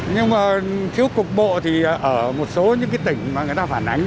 nhưng mà thiếu cục bộ thì ở một số những cái tỉnh mà người ta phản ánh